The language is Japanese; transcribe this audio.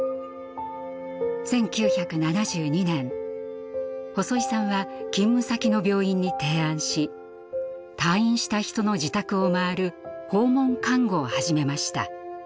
１９７２年細井さんは勤務先の病院に提案し退院した人の自宅を回る訪問看護を始めました。